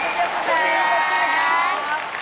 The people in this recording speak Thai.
สวัสดี